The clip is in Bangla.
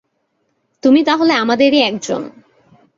তুমি তাহলে আমাদেরই একজন।